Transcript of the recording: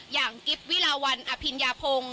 อย่างกิฟต์วิราวัลอพิญญาโพง